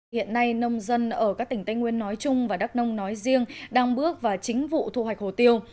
hiện nay nông dân ở các tỉnh tây nguyên nói chung và đắk nông nói riêng đang bước vào chính vụ thu hoạch hồ tiêu